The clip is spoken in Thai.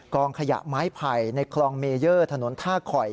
องขยะไม้ไผ่ในคลองเมเยอร์ถนนท่าข่อย